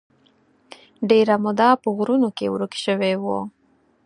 ډېره موده په غرونو کې ورک شوی و.